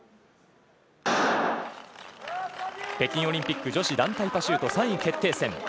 北京オリンピック女子団体パシュート３位決定戦。